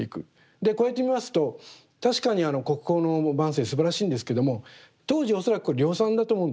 でこうやってみますと確かに国宝の「万声」すばらしいんですけども当時恐らくこれ量産だと思うんですね。